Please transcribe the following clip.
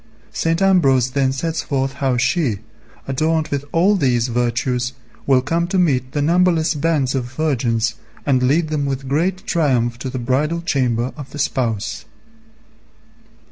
St. Ambrose then sets forth how she, adorned with all these virtues, will come to meet the numberless bands of virgins and lead them with great triumph to the bridal chamber of the Spouse.